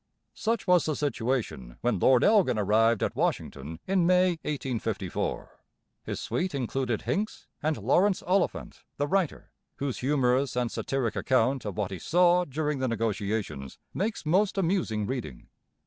Such was the situation when Lord Elgin arrived at Washington in May 1854. His suite included Hincks and Laurence Oliphant, the writer, whose humorous and satiric account of what he saw during the negotiations makes most amusing reading.